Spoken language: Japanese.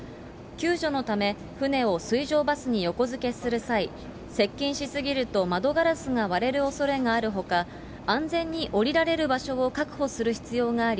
救助のため、船を水上バスに横付けする際、接近し過ぎると窓ガラスが割れるおそれがあるほか、安全に降りられる場所を確保する必要があり、